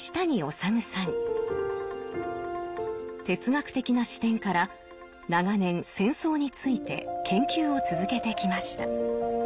哲学的な視点から長年戦争について研究を続けてきました。